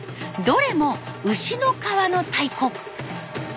どれも牛の皮の太鼓。